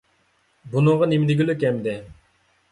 بۇنىڭغا نېمە دېگۈلۈك ئەمدى!